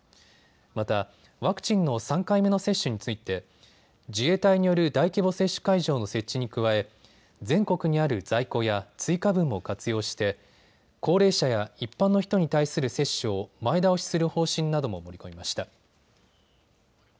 またワクチンの３回目の接種について自衛隊による大規模接種会場の設置に加え全国にある在庫や追加分も活用して高齢者や一般の人に対する接種を前倒しする方針なども盛り込みました。